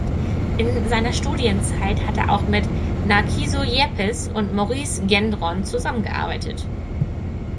In seiner Studienzeit hat er auch mit Narciso Yepes und Maurice Gendron zusammengearbeitet.